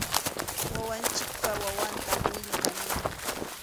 Wawanchikpa wawanta willka ninkum.